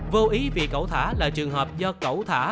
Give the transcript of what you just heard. vô ý vì cấu thả là trường hợp do cấu thả